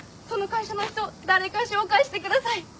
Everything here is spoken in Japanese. その会社の人誰か紹介してください。